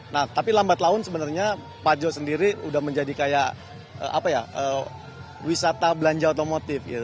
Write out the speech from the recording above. nah tapi lambat laun sebenarnya pajo sendiri udah menjadi kayak apa ya wisata belanja otomotif gitu